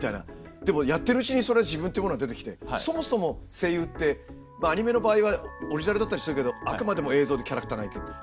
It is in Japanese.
でもやってるうちにそれは自分っていうものが出てきてそもそも声優ってアニメの場合はオリジナルだったりするけどあくまでも映像でキャラクターがいて。